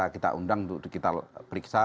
kita undang untuk kita periksa